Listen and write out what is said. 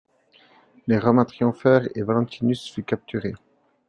Les Romains triomphèrent et Valentinus fut capturé.